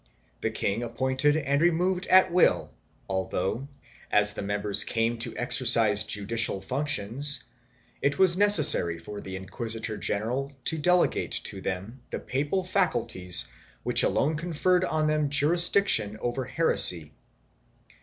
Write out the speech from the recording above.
The king appointed and removed at wdll although, as the members came to exercise judicial functions, it was necessary for the inquisitor general to delegate to them the papal faculties which alone conferred on them jurisdiction over heresy.